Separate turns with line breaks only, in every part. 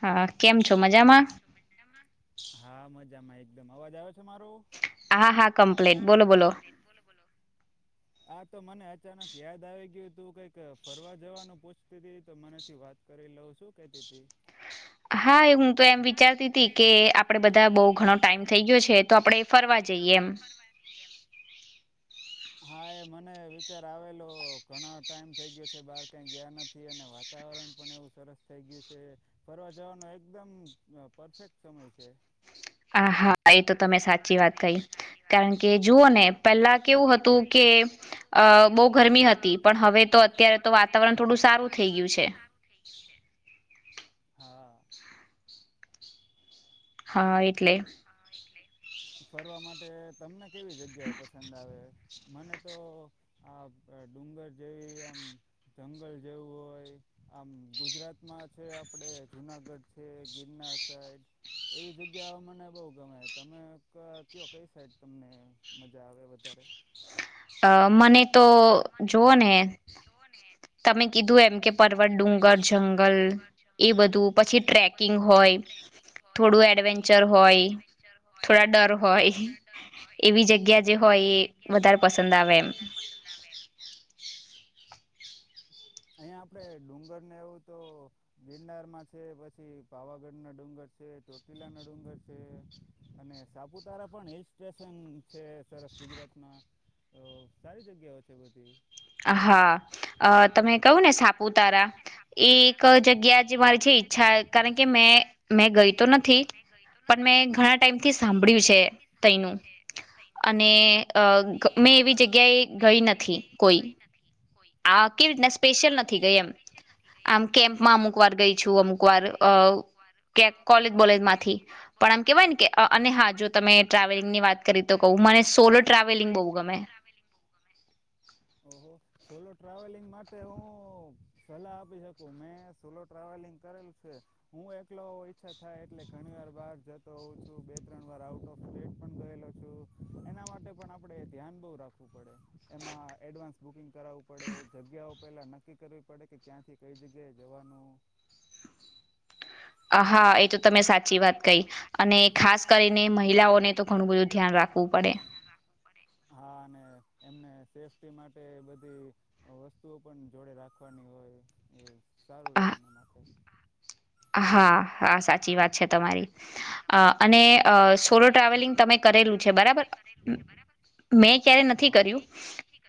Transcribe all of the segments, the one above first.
હા કેમ છો મજામાં
કેમ છો મજામાં? હા મજામાં એકદમ. અવાજ આવે છે મારો?
હા હા કમપ્લેટ. બોલો બોલો.
બોલો બોલો. આ તો મને અચાનક યાદ આવી ગ્યુ. તું કંઈક અ ફરવા જવાનું પૂછતીતી તો મને એમ થ્યુ વાત કરી લઉ શું કેતીતી?
હા એ હું તો એમ વિચારતીતી કે, આપડે બધાં બઉ ઘણો ટાઈમ થઈ ગ્યો છે તો
ટાઈમ
આપડે
થઈ ગ્યો
ફરવા
છે. તો
જઈએ એમ
આપડે ફરવા જઈએ એમ. હા એ મને વિચાર આવેલો. ઘણાં ટાઈમ થઈ ગ્યો સે બાર કઈ ગ્યા નથી અને વાત તાવરણ પણ એવું સરસ થઈ ગ્યું સે. ફરવા જવાનો એકદમ મઅ-પરફેક્ટ સમય સે.
આ હા. હા એતો તમે સાચી વાત કહી. કારણ કે, જુઓને પેલ્લા કેવું હતું કે અ બો ગરમી હતી. પણ હવે તો અત્યારે તો વાતાવરણ થોડું સારું થઈ ગ્યું છે.
થઈ ગ્યું છે. હા.
હા એટલે.
હા એટલે. ફરવા માટે.. તમને કેવી જગ્યાઓ પસંદ આવે? મને તો... આ ડુંગર જેવી આમ જંગલ જેવું હોય, આમ ગુજરાતમાં છે, આપડે જુનાગઢ છે, ગિરનાર [unintelligible] એવી જગ્યાઓ મને બોવ ગમે તમે ક કયો કઈ સાઈડ તમને મજા આવે વધારે?
અ.. મને તો
અ.. મને
જોઓ
તો
ને
જોઓ ને
તમે કીધું એમ કે, પર્વત, ડુંગર, જંગલ એ બધું પછી ટ્રેકિંગ હોય. થોડું એડવેન્ચર હોય, થોડા ડર હોય. એવી જગ્યા જે હોય એ વધારે પસંદ આવે એમ.
પસંદ આવે એમ. આયાં આપડે ડુંગરને એવું તો ગિરનારમાં છે પછી પાવાગઢના ડુંગર છે, ચોટીલાના ડુંગર છે. અને સાપુતારા પણ હિલ સ્ટેશન છે સરસ. ગુજરાતમાં તો સારી જગ્યાઓ છે બધી.
આહા અ તમે કહ્યું ને સાપુતારા એ એક જગ્યા જેમા છે. ચ્છા કારણ કે, મેં મેં ગઈ તો નથી. પણ મેં ઘણા ટાઈમથી સાંભળ્યું છે. તયનું અને અ ગ મેં એવી જગ્યાએ ગઈ નથી. કોઈ
ગઈ નથી કોઈ
આ કેવી રીતના સ્પેશિયલ નથી ગઈ એમ. આમ કેમ્પમાં અમુકવાર ગઈ છું. અમુકવાર અ ક્યાંક કોલેજ બોલેજમાંથી. પણ આમ કેવાય ને કે અ અને હા જો તમે ટ્રાવેલિંગની વાત કરી. તો કહું
ટ્રાવેલિંગની
મને
વાત
સોલો
કરી તો કહુ
ટ્રાવેલિંગ
મને
બહુ ગમે
સોલો ટ્રાવેલિંગ બોવ ગમે. ઓ હો. સોલો ટ્રાવેલિંગ માટે હું સલાહ આપી શકું મેં સોલો ટ્રાવેલિંગ કરેલું છે. હું એકલો હોવ ઈચ્છા થાય એટલે ઘણીવાર બહાર જતો હોઉં છું. બે ત્રણ વાર આઉટ ઓફ સ્ટેટ પણ ગયેલો છું. એના માટે પણ આપડે ધ્યાન બ‌ઉ રાખવું પડે. એમાં એડવાન્સ બુકિંગ કરાવવું પડે. જગ્યાઓ પહેલા નક્કી કરવી પડે કે ક્યાંથી કઈ જગ્યાએ જવાનું?
અ હા એ તો તમે સાચી વાત કહી અને ખાસ કરીને મહિલાઓને તો ઘણું બધું ધ્યાન રાખવું પડે.
પડે હા ને એમને સેફ્ટી માટે બધી વસ્તુઓ પણ જોડે રાખવાની હોય એ સારું રહેે
હા
એમના માટે
હા હા સાચી વાત છે તમારી અ અને અ સોલો ટ્રાવેલિંગ તમે કરેલું છે બરાબર અ [unintelligible] મેં ક્યારે નથી
હા
કર્યું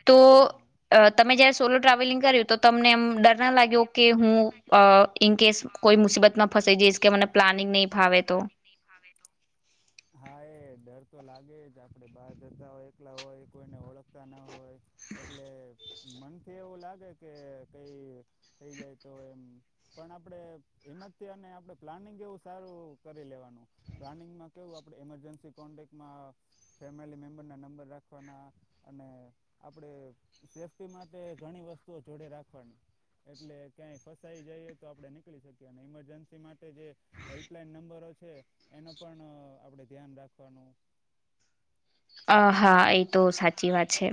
તો
હા
તમે જયારે સોલો ટ્રાવેલિંગ કર્યું. તો તમને એમ ડર ના લાગ્યો કે હું in case
uh in case કોઈ મુસીબત માં ફસાઈ જઈશ
નહીં
કે મને
ફાવે તો
પ્લાનિંગ ની ફાવે તો હા એ ડર તો લાગે જ આપડે બહાર જતા હોય એકલા હોય કોઈને ઓળખતા ના હોય. એટલે મનથી એવું લાગે કે કઈ થઈ જાય તો એમ પણ આપણે હિંમતથી અને આપડે પ્લાનિંગ એવું સારું કરી લેવાનું. પ્લાનિંગમાં કેવું આપડે એમરજન્સી કોન્ટેક્ટમાં ફેમિલી મેમ્બર ના નંબર રાખ પણ આ અને આપણેે સેફ્ટી માટે ઘણી વસ્તુઓ જોડે રાખવાની એટલે ક્યાંય ફસાઈ જઈએ તો આપણે નીકળી શકીએ અને ઇમરજન્સી માટે જે હેલ્પલાઈન નંબરો છે એનો પણ આપડે ધ્યાન રાખવાનું
અ હા તો સાચી વાત છે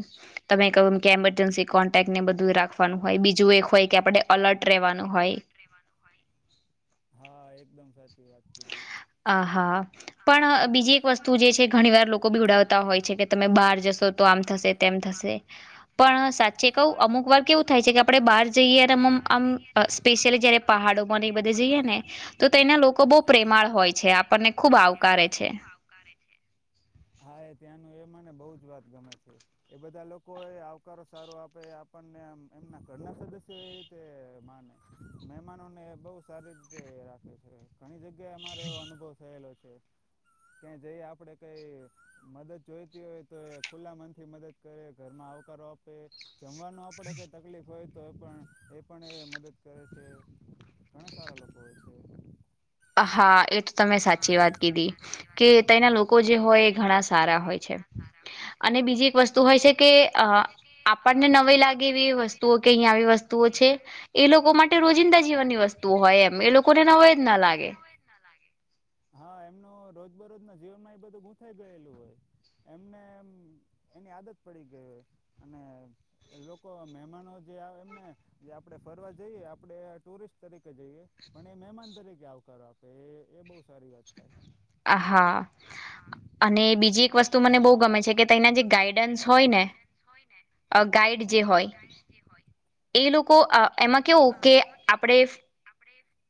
તમે કહ્યું કે ઇમરજન્સી કોન્ટેક્ટ ને બધું રાખવાનું હોય બીજું એક હોય કે આપણે
જો એક
અલર્ટ
હોય કે
રહેવાનું
આપણે
હોય
એલર્ટ રહેવાનું હોય હા એકદમ સાચી વાત કીધી
આ હા પણ બીજી એક વસ્તુ જે છે ઘણી વાર લોકો બીવડાવતા હોય છે કે તમે બહાર જશો તો આમ થશે તેમ થશે પણ સાચે કહુ અમુક વાર કેવું થાય છે કે આપડણે બહાર જઈએ આમ સ્પેશિયલી જયારે પહાડોમાંને બધે જઈએ ને તો તેના લોકો બહુ
હા
પ્રેમાળ હોય છે આપણને ખુબ આવકારે છે
આવકારે છે હા એ ત્યાંનું એ મને બહુ જ વાત ગમે છે એ બધા લોકો એ આવકારો સારો આપે આપણ ને એમના ઘરના સદસ્યો એ માને મહેમાનોને બહુ સારી રીતે રાખે છે ઘણી જગ્યાએ અમારે એવો અનુભવ થયેલો છે કે જઈ આપડે કઈ મદદ જોઈ હોય તો એ ખુલ્લા મનથી મદદ કરે ઘરમાં આવકારો આપે જમવાનું આપડે કઈ તકલીફ હોય તો એ પણ પણ એ કરે છે ઘણા સારા લોકો હોય છે
હા એ તો તમે સાચી વાત કીધી કે તાના લોકો જે હોય એ ઘણા સારા હોય છે અને બીજી એક વસ્તુ હોય છે કે અ આપણને નવાઈ લાગે એવી વસ્તુઓ કે અહીંયા આવી વસ્તુ વસ્તુ છે એ લોકો માટે રોજિંદા જીવનની વસ્તુઓ હોય એમ એ લોકોને નવાઈ જ ના લાગે
ના લાગે હા એમનું રોજબરોજ ના જીવનમાં એ બધું બો થઈ ગયેલું હોય એમને એમ એની આદત પડી ગઈ હોય અને એ લોકો મહેમાનો જે આવે એમને જે આપણે ફરવા જઈએ આપણે ટુરિસ્ટ તરીકે જઈએ પણ એ મહેમાન તરીકે આવકારો આપે એ બહુ સારી વાત થાય
હા અને બીજી એક
અને
વસ્તુ મને બહુ
બીજી એક
ગમે છે
વસ્તુ
કે
મને બહુ
તેના જે
ગમે છે કે
ગાઈડન્સ
તાના જે
હોય ને
ગાઈડન્સ હોય ને
ગાઈડ જે
હ
હોય
ગાઈડ જે હોય
એ લોકો અ એમાં કેવું કે આપડે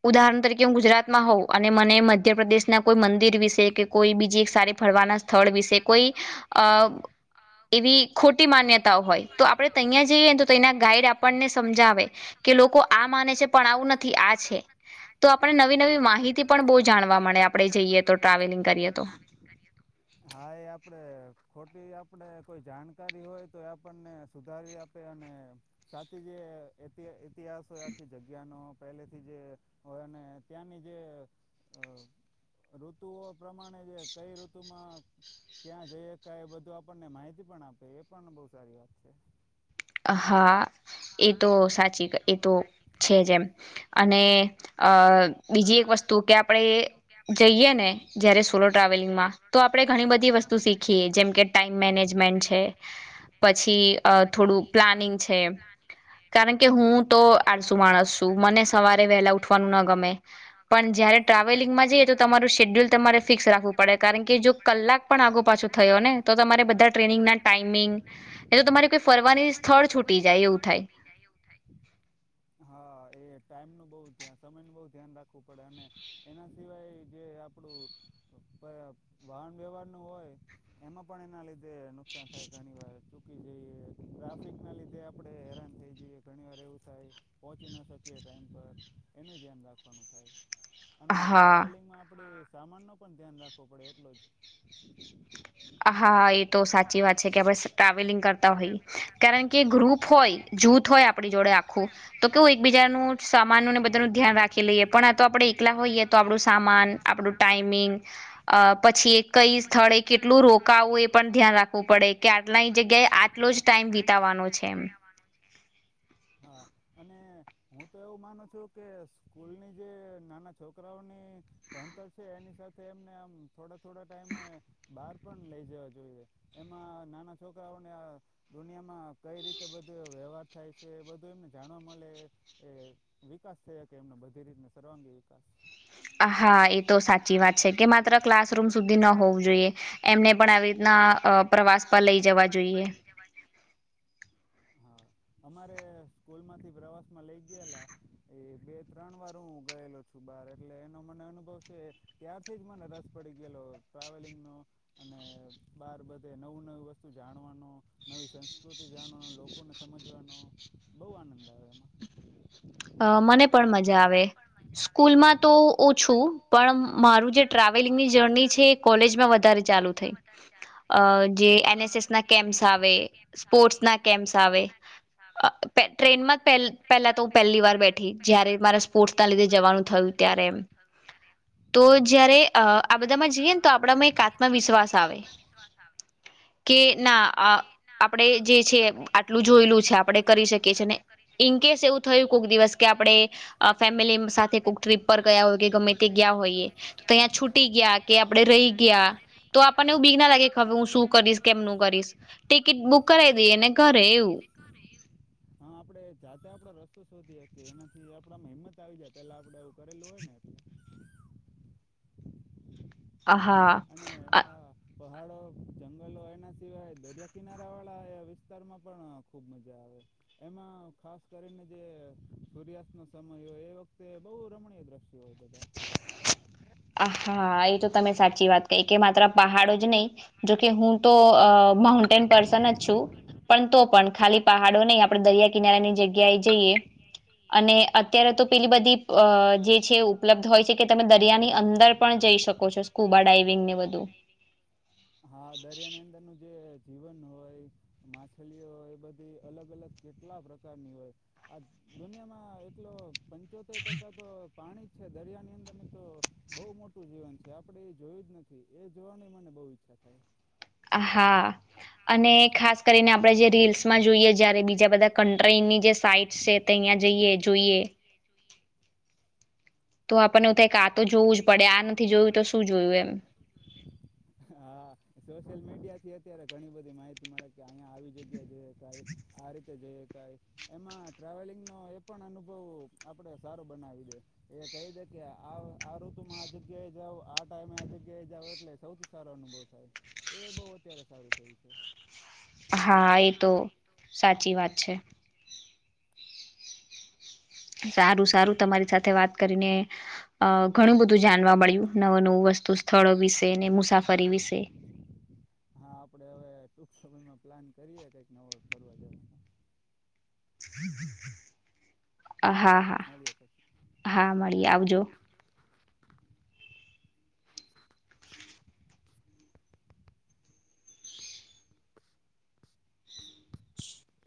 ઉદાહરણ તરીકે હું ગુજરાતમાં હોઉ અને મને એમ મધ્યપ્રદેશના કોઈ મંદિર વિશે કે કોઈ બીજી એક સારી ફરવાના સ્થળ વિશે કોઈ અ એવી ખોટી માન્યતાઓ હોય તો આપડે ત્યાં જઈએ તો તેના ગાઈડ આપણને સમજાવે કે લોકો આ માને છે પણ આવું નથી આ છે તો આપણે નવી નવી માહિતી પણ બો જાણવા મળે આપડે જઈએ તો ટ્રાવેલિંગ કરીએ તો
કરીયે તો હા એ આપડે ખોટી આપડે કોઈ જાણકારી હોય તો એ આપણને સુધારી આપ આપે અને સાચી જે ઈતિ ઇતિહાસ હોય આખી જગ્યા નો પહેલે થી જે હોય ને ત્યાંની જે અ ઋતુઓ પ્રમાણે જે કઈ ઋતુ માં ક્યાં જઈએ ક એ બધું આપણને માહિતી પણ આપે એ પણ બહુ સારી વાત છે
હા એ તો સાચી એ તો છે જે એમ અને અ બીજી એક વસ્તુ કે આપણે જઈએ ને જયારે સોલો ટ્રાવેલિંગમાં તો આપણે ઘણી બધી વસ્તુ શીખીએ જેમ કે ટાઈમ મેનેજમેન્ટ છે પછી થોડુંક
અ થોડું પ્લાનિંગ છે
કે હું તો આળસુ માણસ છું મને સવારે વહેલા ઉઠવાનું ન ગમે પણ જયારે ટ્રાવેલિંગમાં જઈએ તો તમારું શેડ્યુલ તમારે ફિક્સ રાખવું પડે કારણ કે જો કલાક પણ આગ પાછો થયો ને તો તમારે બધા ટ્રેનિંગ ના ટાઈમિંગ એ તો તમારી કોઈ ફરવાની સ્થળ છૂટી જાય એવું થાય
જાય એવું થાય હા એ ટાઈમ નું બોવ સમય નું બોવ ધ્યાન રાખવું પડે અને એના સિવાય જે આપડું પ વાહન વ્યવહાર નું હોય એમાં પણ એના લીધે નુકસાન થાય ઘણી વાર ચૂકી જઈએ ટ્રાફિકના લીધે આપડે હેરાન થઈ જઈએ. ઘણી વાર એવું થાય પોહોંચી ના શકીએ ટાઈમ પર એનું ધ્યાન રાખવાનું થાય. અને
હા
ટ્રાવેલિંગમાં આપડે સામાનનો પણ ધ્યાન રાખવો પડે એટલો જ.
હા એ તો સાચી વાત છે કે આપણે ટ્રાવેલિંગ કરતા હોઈએ કારણ કે ગ્રુપ હોય જૂ થ હોય આપણી જોડે તો કેવું એક બીજાનું સામાનને બધાનું ધ્યાન રાખી લઈએ. પણ આ તો આપણેે એકલા હોઈએ તો આપણું સામાન આપણું ટાઈમિંગ પછી કઈ સ્થળે કે ટલું રોકાવું એ પણ ધ્યાન રાખવું પડે કે આટલાયની જગ્યાએ આટલો જ ટાઈમ વિતાવવાનો છે એમ.
છે એમ હા અને હું તો એવું માનું છું કે સ્કૂલની જે નાના છોકરાઓની ભણતર છે એની સાથે એમને આમ થોડા થોડા ટાઈમે બહાર પણ લઈ જવા જોઈએ. એમાં નાના છોકરાઓને આ દુનિયામાં કઈ રીતે બધું વ્યવહાર થાય છે બધું એમને જાણવા મળે એ વિકાસ થય સકે એમનો બધી રીતને સર્વાંગી વિકાસ.
અ હા એ તો સાચી વાત છે કે માત્ર ક્લાસરૂમ સુધી ન હોવું જોઈએ. એમને પણ આવી રીતના અ પ્રવાસ પર લઈ જવા જોઈએ.
જવા જોઈએ. હા. અમારે સ્કૂલ માંથી પ્રવાસ માં લઇ ગયેલા એ બે ત્રણ વાર હું ગયેલો છું બાર એટલે એનો મને અનુભવ છે ત્યારથી જ મને રસ પડી ગયેલો ટ્રાવેલિંગનો અને બાર બધે નવું નવું વસ્તુ જાણવાનો નવી સંસ્કૃતિ જાણવાનો લોકોને સમજ વાનો બો આનંદ આવે એમાં.
અ મને પણ મજા આવે. સ્કૂલમાં તો ઓછું પણ મારું જે ટ્રાવેલિંગની જર્ની છે. કોલેજમાં વધારે ચાલુ થઈ જે
હા
એન એસ એસ ના કેમ્પ્સ આવે સ્પોર્ટ ના કેમ્પસ આવે ટ્રેનમાં પેલ પહેલા તો પેલી વાર બેઠી જ્યારે મારે સ્પોર્ટ્સના લીધે જવાનું થયું ત્યારે.
[inaudible]
તો જયારે અ
તો
આ
જયારે
બધામાં
અ
જઈએ ને તો
આ
આપણામાં
બધામાં
એક
જઈએ ને તો આપડામાં
આત્મવિશ્વાસ
એક
આવે
આત્મવિશ્વાસ આવે
કે ના આ આપણે જે છે, આટલું જોયેલું છે, આપણે કરી શકીએ છીએ ને ઇનકેસ એવું કયું કોક દિવસ કે આપડે અ ફેમિલી સાથે કોઈક ટ્રીપ પર ગયા હોય કે ગમે તે ગીયા હોઈએ. તો અહીંયા છૂટી ગયા કે આપડે રહી ગયા તો આપણને એવું બીગ ના લાગે કે હવે હું શું કરીશ કેમનું ક ટિકિટ બુક કરાઈ દીએ ને ઘરે એવું
ઘરે એવું. હા આપડે જાતે આપડો રસ્તો શોધી હકીએ એનાથી આપડામાં હિંમત આવી જાય પેલા આપડે એવું કરેલું હોય ને એટલે
આ હા.
અને આ પહાડો જંગલો એને સિવાય દરિયા કિનારા વાળા વિસ્તારમાં પણ ખુબ મજા આવે એમાં ખાસ કરીને જે સૂર્યાસ્તનો સમય હોય એ વખતે બો રમણીય દ્રશ્ [unintelligible] બધા
આ હા એ તો તમે સાચી વાત કહી કે માત્ર પહાડો જ નહીં જોકે હું તો અ માઉન્ટેન પર્સન જ છું. પણ તો પણ ખાલી પહાડોની આપદે દરિયા કિનારાની જગ્યાએ જઈએ. અને અત્યારે તો પેલી બધી અ જે છે, ઉપલબ્ધ હોય છે, કે તમે દરિયાની અંદર પણ જઈ શકો છો સ્કૂબા ડાઇવિંગ ને બધું
હા દરિયાની અં દરનું જે જીવન હોય માછલીઓ હોય એ બધી અલગ અલગ કેટલા પ્રકારની હોય. આ દુનિયામાં એટલો પંચોતેર ટકા તો પાણી છે, દરિયાની અંદર ને તો બો મોટું જીવન છે. આપડે એ જોયું જ નથી. એ જોવાની મને બો ઈચ્છા થાય.
હા. અને ખાસ કરીને આપણે જે રીલ્સમાં જોઈએ જયારે બીજા બધા કન્ટ્રીની જે સાઈટ છે, તે અહિયાં જઈએ જોઈએ.
એ જોઈએ.
તો આપણને એવું થાય કે આ તો જોવું જ પડે આ નથી જોયું તો શું જોયું એમ
હા સોશિયલ મીડિયાથી અત્યારે ઘણી બધી માહિતી મળે કે અહિયા આવી જગ્યાએ જઈ હકાય આ રીતે જઈ શકાય. એમાં ટ્રાવેલિંગનો એ પણ અનુભવ આપડે સારો બનાવી દે એ કહી દે કે આ આ ઋતુમાં આ જગ્યાએ જાઓ આ ટાઈમે આ જગ્યાએ જાવ એટલે સૌથી સારો અનુભવ થાય. એ બો અત્યારે સારું થયું છે.
હા એ તો સાચી વાત છે. સારું સારું તમારી સાથે વાત કરીને અ ઘણું બધું જાણવા મળ્યું નવું નવું વસ તુ સ્થળો વિશે ને મુસાફરી વિશે
હા આપણે હવે ટૂંક સમયમાં પ્લાન કરીએ કઈંક નવો ફરવા જવાની
હા હા
સારું મળીએ પછી
હા મળીએ આવજો.
[inaudible]